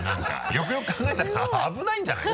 よくよく考えたら危ないんじゃないの？